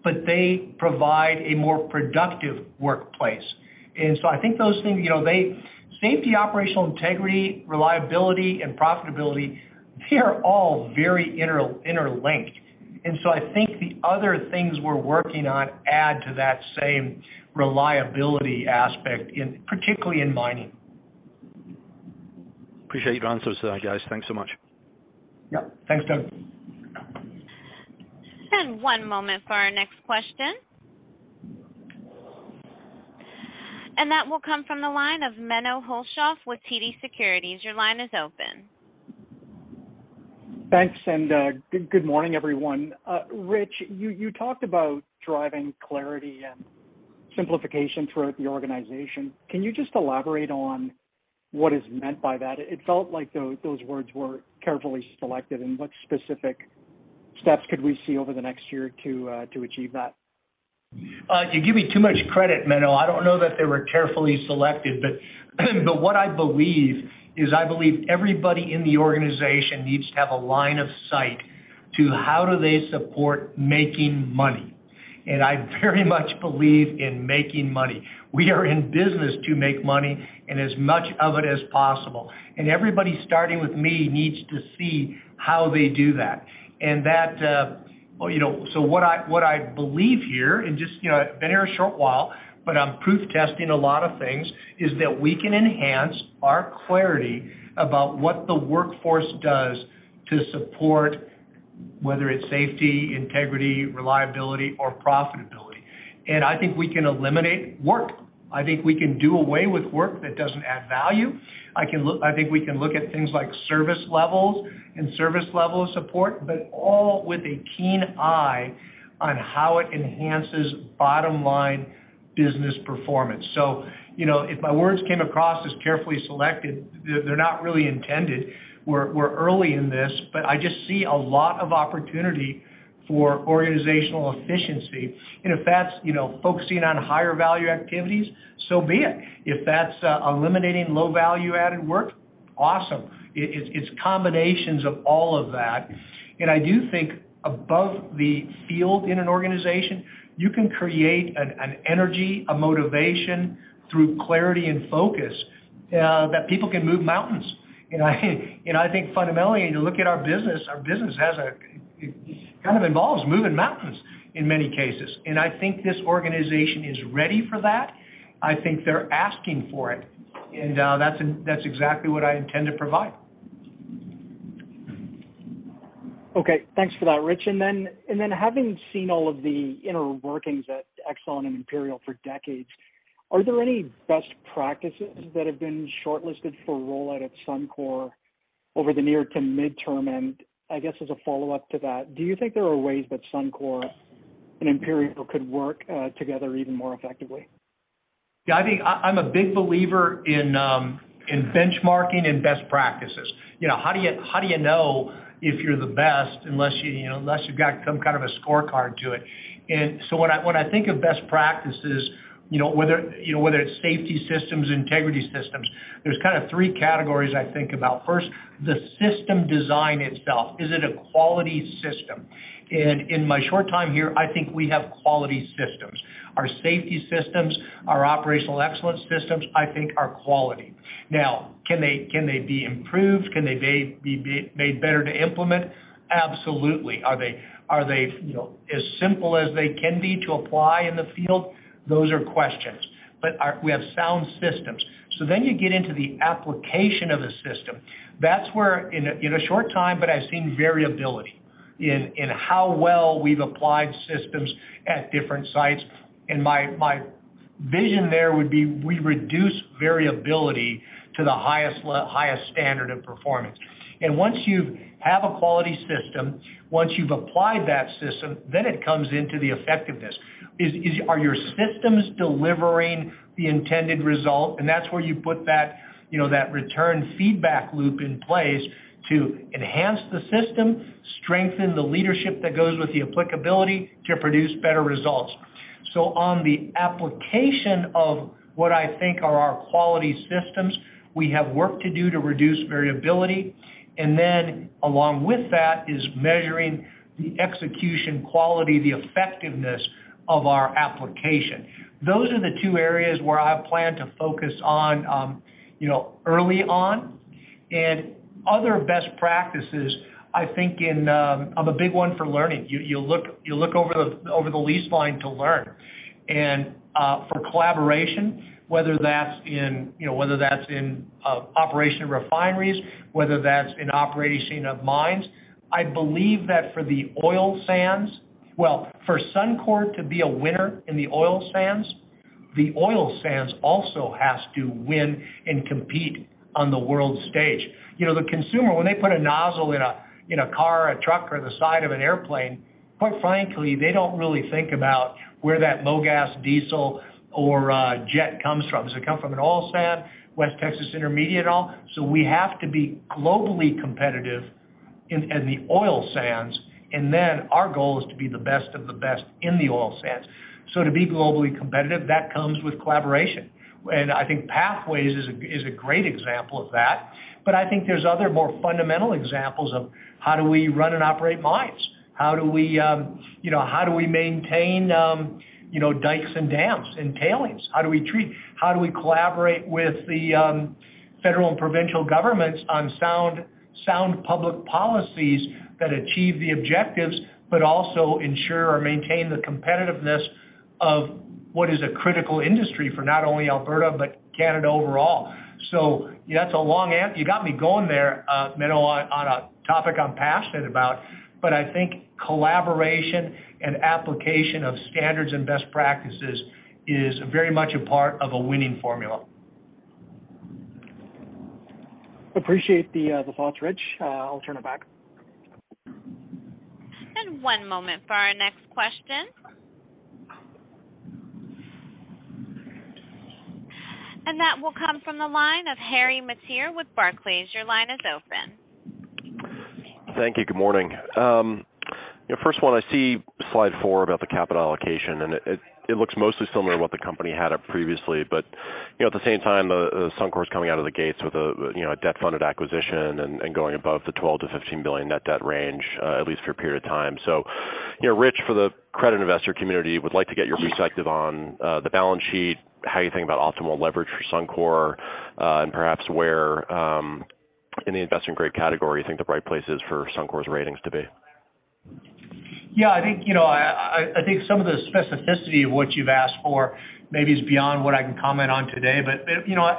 but they provide a more productive workplace. I think those things, you know, they... Safety, operational integrity, reliability, and profitability, they are all very interlinked. I think the other things we're working on add to that same reliability aspect in-- particularly in mining. Appreciate your answers, guys. Thanks so much. Yep. Thanks, Doug. One moment for our next question. That will come from the line of Menno Hulshof with TD Securities. Your line is open. Thanks, and good morning, everyone. Rich, you talked about driving clarity and simplification throughout the organization. Can you just elaborate on what is meant by that? It felt like those words were carefully selected. What specific steps could we see over the next year to achieve that? You give me too much credit, Menno. I don't know that they were carefully selected, but what I believe is I believe everybody in the organization needs to have a line of sight to how do they support making money. I very much believe in making money. We are in business to make money and as much of it as possible. Everybody, starting with me, needs to see how they do that. That, well, you know. What I believe here and just, you know, been here a short while, but I'm proof testing a lot of things, is that we can enhance our clarity about what the workforce does to support, whether it's safety, integrity, reliability, or profitability. I think we can eliminate work. I think we can do away with work that doesn't add value. I think we can look at things like service levels and service level support, but all with a keen eye on how it enhances bottom line business performance. You know, if my words came across as carefully selected, they're not really intended. We're early in this, but I just see a lot of opportunity for organizational efficiency. If that's, you know, focusing on higher value activities, so be it. If that's eliminating low value-added work, awesome. It's combinations of all of that. I do think above the field in an organization, you can create an energy, a motivation through clarity and focus that people can move mountains. I think fundamentally, you look at our business, our business kind of involves moving mountains in many cases. I think this organization is ready for that. I think they're asking for it, and, that's exactly what I intend to provide. Okay. Thanks for that, Rich. Having seen all of the inner workings at ExxonMobil and Imperial for decades, are there any best practices that have been shortlisted for rollout at Suncor over the near to midterm? I guess as a follow-up to that, do you think there are ways that Suncor and Imperial could work together even more effectively? I think I'm a big believer in benchmarking and best practices. You know, how do you know if you're the best unless you know, unless you've got some kind of a scorecard to it? When I, when I think of best practices, you know, whether you know, whether it's safety systems, integrity systems, there's kind of three categories I think about. First, the system design itself. Is it a quality system? In my short time here, I think we have quality systems. Our safety systems, our operational excellence systems, I think are quality. Now, can they be improved? Can they be made better to implement? Absolutely. Are they, you know, as simple as they can be to apply in the field? Those are questions. We have sound systems. You get into the application of the system. That's where in a, in a short time, but I've seen variability in how well we've applied systems at different sites. My vision there would be we reduce variability to the highest standard of performance. Once you have a quality system, once you've applied that system, then it comes into the effectiveness. Are your systems delivering the intended result? That's where you put that, you know, that return feedback loop in place to enhance the system, strengthen the leadership that goes with the applicability to produce better results. On the application of what I think are our quality systems, we have work to do to reduce variability. Along with that is measuring the execution quality, the effectiveness of our application. Those are the two areas where I plan to focus on, you know, early on. Other best practices, I think in, I'm a big one for learning. You look over the lease line to learn. For collaboration, whether that's in, you know, whether that's in operation refineries, whether that's in operation of mines, I believe that for Suncor to be a winner in the oil sands, the oil sands also has to win and compete on the world stage. You know, the consumer, when they put a nozzle in a car, a truck or the side of an airplane, quite frankly, they don't really think about where that low gas diesel or jet comes from. Does it come from an oil sand? West Texas Intermediate oil? We have to be globally competitive in the oil sands, and our goal is to be the best of the best in the oil sands. To be globally competitive, that comes with collaboration. I think Pathways is a great example of that. I think there's other more fundamental examples of how do we run and operate mines? How do we, you know, how do we maintain, you know, dikes and dams and tailings? How do we collaborate with the federal and provincial governments on sound public policies that achieve the objectives, but also ensure or maintain the competitiveness of what is a critical industry for not only Alberta, but Canada overall. That's a long You got me going there, Menno, on a topic I'm passionate about, but I think collaboration and application of standards and best practices is very much a part of a winning formula. Appreciate the thoughts, Rich. I'll turn it back. One moment for our next question. That will come from the line of Harry Mateer with Barclays. Your line is open. Thank you. Good morning. First of all, I see slide 4 about the capital allocation, and it looks mostly similar to what the company had up previously. You know, at the same time, Suncor's coming out of the gates with a, you know, a debt-funded acquisition and going above the $12 billion-$15 billion net debt range, at least for a period of time. You know, Rich, for the credit investor community, would like to get your perspective on the balance sheet, how you think about optimal leverage for Suncor, and perhaps where in the investment grade category you think the right place is for Suncor's ratings to be. I think, you know, I think some of the specificity of what you've asked for maybe is beyond what I can comment on today. You know,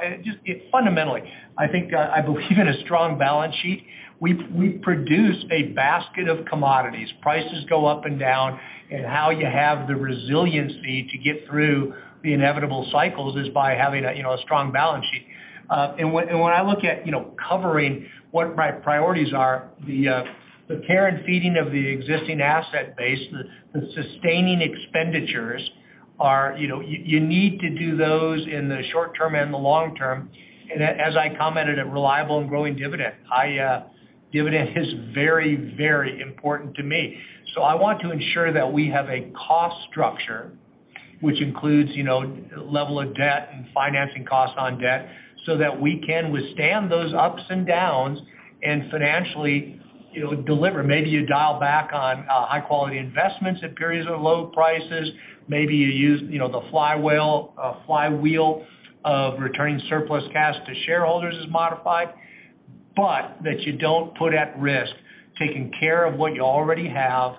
fundamentally, I think, I believe in a strong balance sheet. We produce a basket of commodities. Prices go up and down, and how you have the resiliency to get through the inevitable cycles is by having a, you know, a strong balance sheet. And when I look at, you know, covering what my priorities are, the care and feeding of the existing asset base, the sustaining expenditures are, you know, you need to do those in the short-term and the long-term. As I commented, a reliable and growing dividend. High dividend is very important to me. I want to ensure that we have a cost structure which includes, you know, level of debt and financing costs on debt, so that we can withstand those ups and downs and financially, you know, deliver. Maybe you dial back on high-quality investments in periods of low prices. Maybe you use, you know, the flywheel of returning surplus cash to shareholders as modified, but that you don't put at risk taking care of what you already have,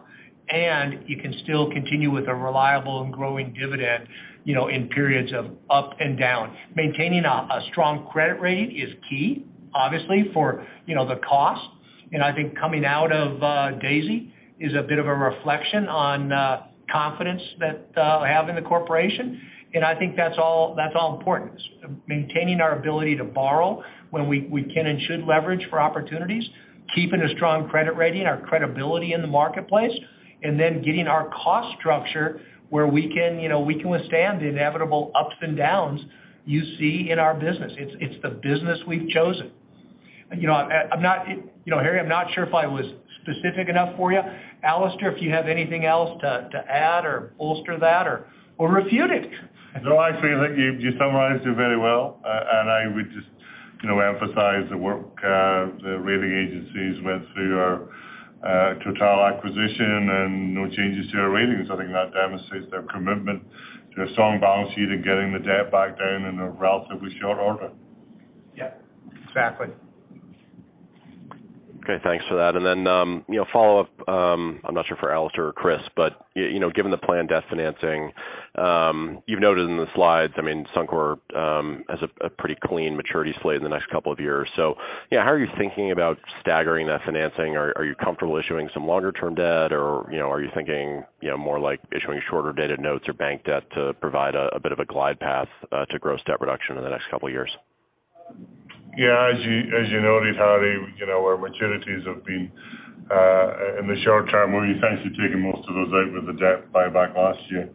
and you can still continue with a reliable and growing dividend, you know, in periods of up and down. Maintaining a strong credit rating is key, obviously, for, you know, the cost. I think coming out of Daisy is a bit of a reflection on confidence that I have in the corporation. I think that's all important. Maintaining our ability to borrow when we can and should leverage for opportunities, keeping a strong credit rating, our credibility in the marketplace, and then getting our cost structure where we can, you know, we can withstand the inevitable ups and downs you see in our business. It's the business we've chosen. You know, I'm not... You know, Harry, I'm not sure if I was specific enough for you. Alister, if you have anything else to add or bolster that or refute it. I feel like you summarized it very well. I would just, you know, emphasize the work the rating agencies went through our Total acquisition and no changes to our ratings. I think that demonstrates their commitment to a strong balance sheet and getting the debt back down in a relatively short order. Yep. Exactly. Okay, thanks for that. I'm not sure for Alister or Kris, but, you know, given the planned debt financing, you've noted in the slides, I mean, Suncor has a pretty clean maturity slate in the next couple of years. How are you thinking about staggering that financing? Are you comfortable issuing some longer-term debt? Are you thinking, you know, more like issuing shorter-dated notes or bank debt to provide a bit of a glide path to gross debt reduction in the next couple of years? Yeah, as you noted, Harry, you know, our maturities have been in the short term, we've essentially taken most of those out with the debt buyback last year.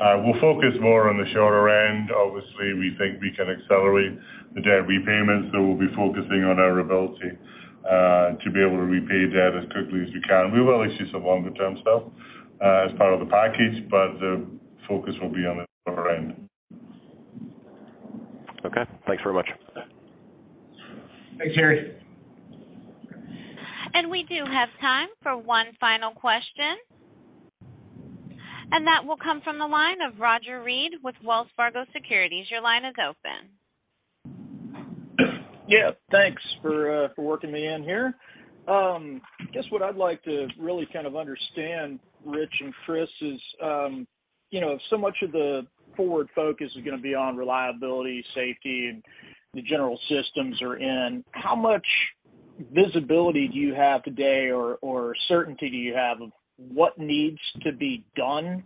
We'll focus more on the shorter end. Obviously, we think we can accelerate the debt repayments, so we'll be focusing on our ability to be able to repay debt as quickly as we can. We will issue some longer term stuff as part of the package, but the focus will be on the shorter end. Okay. Thanks very much. Thanks, Harry. We do have time for one final question, and that will come from the line of Roger Read with Wells Fargo Securities. Your line is open. Thanks for working me in here. I guess what I'd like to really kind of understand, Rich and Kris, is, you know, so much of the forward focus is gonna be on reliability, safety, and the general systems are in. How much visibility do you have today or certainty do you have of what needs to be done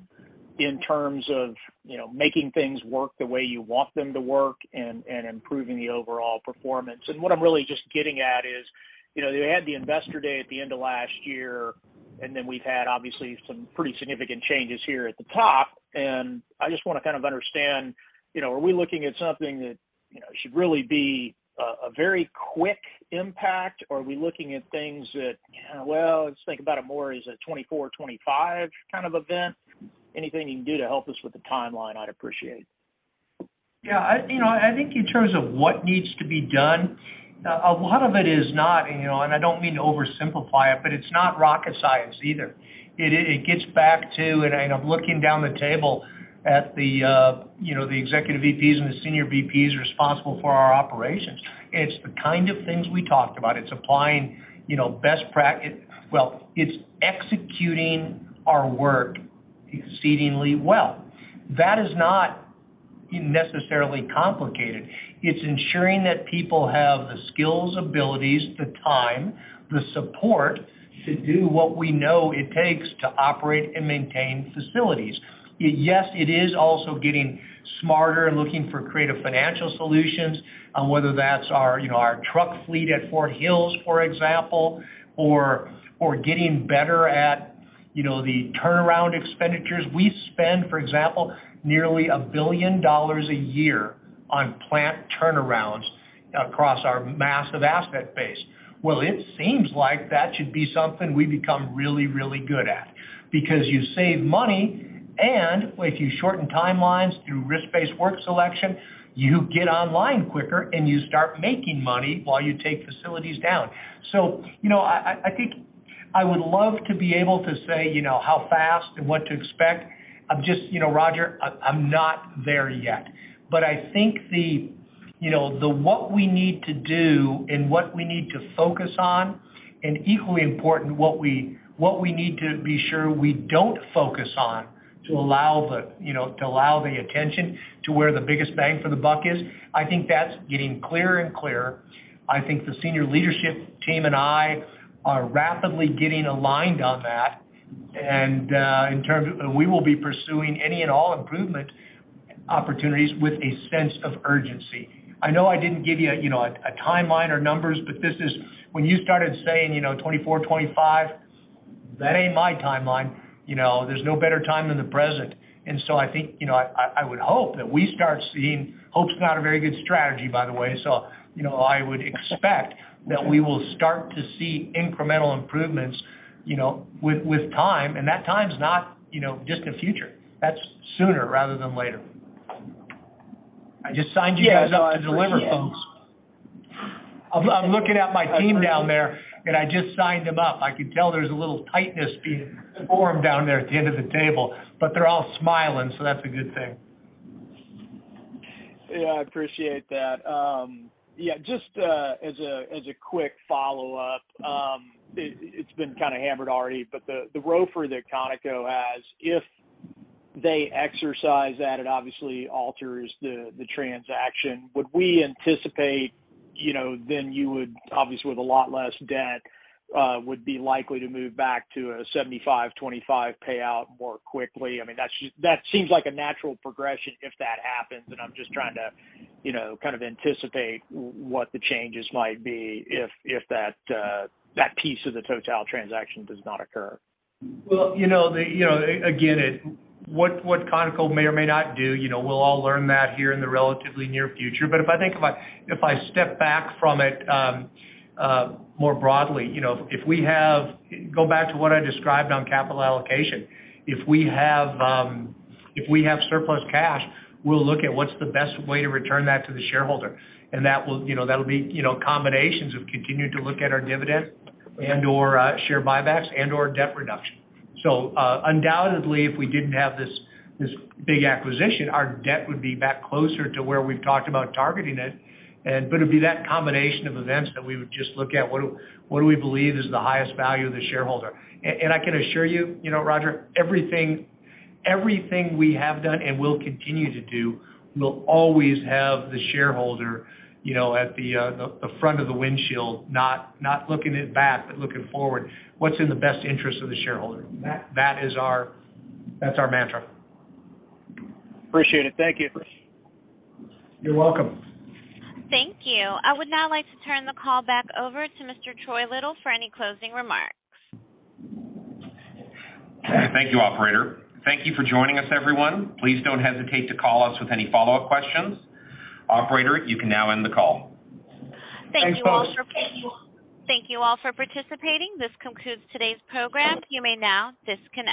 in terms of, you know, making things work the way you want them to work and improving the overall performance? What I'm really just getting at is, you know, you had the Investor Day at the end of last year, and then we've had obviously some pretty significant changes here at the top. I just wanna kind of understand, you know, are we looking at something that, you know, should really be a very quick impact? Are we looking at things that, well, let's think about it more as a 2024, 2025 kind of event? Anything you can do to help us with the timeline, I'd appreciate. You know, I think in terms of what needs to be done, a lot of it is not, you know, and I don't mean to oversimplify it, but it's not rocket science either. It gets back to, and I end up looking down the table at the, you know, the Executive VPs and the Senior VPs responsible for our operations. It's the kind of things we talked about. It's applying, you know, Well, it's executing our work exceedingly well. That is not necessarily complicated. It's ensuring that people have the skills, abilities, the time, the support to do what we know it takes to operate and maintain facilities. Yes, it is also getting smarter and looking for creative financial solutions on whether that's our, you know, our truck fleet at Fort Hills, for example, or getting better at, you know, the turnaround expenditures. We spend, for example, nearly 1 billion dollars a year on plant turnarounds across our massive asset base. It seems like that should be something we become really, really good at because you save money, and if you shorten timelines through risk-based work selection, you get online quicker, and you start making money while you take facilities down. You know, I think I would love to be able to say, you know, how fast and what to expect. I'm just. You know, Roger, I'm not there yet. I think the, you know, the what we need to do and what we need to focus on, and equally important, what we need to be sure we don't focus on to allow the, you know, to allow the attention to where the biggest bang for the buck is, I think that's getting clearer and clearer. I think the senior leadership team and I are rapidly getting aligned on that. We will be pursuing any and all improvement opportunities with a sense of urgency. I know I didn't give you know, a timeline or numbers, but this is. When you started saying, you know, 2024, 2025, that ain't my timeline. You know, there's no better time than the present. I think, you know, I would hope that we start seeing... Hope's not a very good strategy, by the way, so, you know, I would expect that we will start to see incremental improvements, you know, with time, and that time's not, you know, just the future. That's sooner rather than later. I just signed you guys up to deliver, folks. I'm looking at my team down there, and I just signed them up. I can tell there's a little tightness being formed down there at the end of the table, but they're all smiling, so that's a good thing. Yeah, I appreciate that. Yeah, just as a quick follow-up, it's been kinda hammered already, the ROFR that Conoco has, if they exercise that, it obviously alters the transaction. Would we anticipate, you know, then you would, obviously with a lot less debt, would be likely to move back to a 75/25 payout more quickly? I mean, that's just that seems like a natural progression if that happens, I'm just trying to, you know, kind of anticipate what the changes might be if that piece of the Total transaction does not occur. Well, you know, the, you know, again, it. What Conoco may or may not do, you know, we'll all learn that here in the relatively near future. If I step back from it, more broadly, you know, Go back to what I described on capital allocation. If we have surplus cash, we'll look at what's the best way to return that to the shareholder. That will, you know, that'll be, you know, combinations. We've continued to look at our dividend and/or share buybacks and/or debt reduction. Undoubtedly, if we didn't have this big acquisition, our debt would be back closer to where we've talked about targeting it. It'd be that combination of events that we would just look at what do we believe is the highest value of the shareholder. I can assure you know, Roger, everything we have done and will continue to do will always have the shareholder, you know, at the front of the windshield, not looking in back, but looking forward. What's in the best interest of the shareholder? That's our mantra. Appreciate it. Thank you. You're welcome. Thank you. I would now like to turn the call back over to Mr. Troy Little for any closing remarks. Thank you, operator. Thank you for joining us, everyone. Please don't hesitate to call us with any follow-up questions. Operator, you can now end the call. Thanks, folks. Thank you all for participating. This concludes today's program. You may now disconnect.